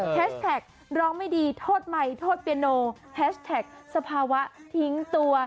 แท็กร้องไม่ดีโทษไมค์โทษเปียโนแฮชแท็กสภาวะทิ้งตัว